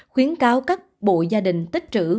khuyến cáo các bộ gia đình tích trữ